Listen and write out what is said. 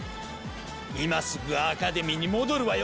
今すぐアカデミーに戻るわよ！